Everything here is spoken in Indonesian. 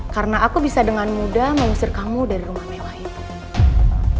karena aku bisa dengan mudah mengusir kamu dari rumah mewah itu